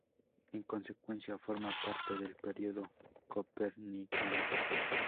En consecuencia, forma parte del Periodo Copernicano.